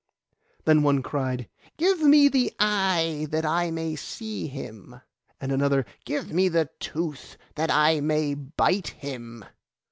Then one cried, 'Give me the eye, that I may see him;' and another, 'Give me the tooth, that I may bite him.